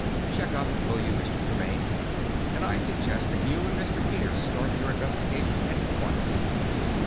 "Check up, will you, Mr. Tremaine? And I suggest that you and Mr. Peters start your investigation at once.